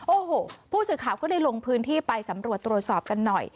โอ้โหผู้สื่อข่าวก็เลยลงพื้นที่ไปสำรวจตรวจสอบกันหน่อย